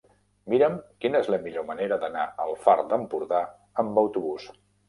Mira'm quina és la millor manera d'anar al Far d'Empordà amb autobús.